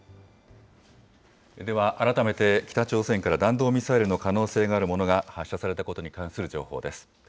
では、改めて北朝鮮から弾道ミサイルの可能性があるものが発射されたことに関する情報です。